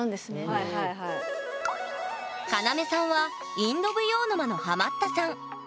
カナメさんはインド舞踊沼のハマったさん。